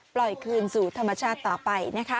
ปล่อยคืนสู่ธรรมชาติต่อไปนะคะ